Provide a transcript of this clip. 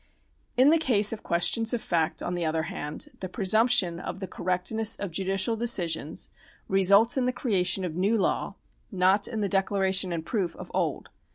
In the case of questions of fact, on the other hand, the presumption of the correctness of judicial decisions results in the creation of new law, not in the declaration and proof of old.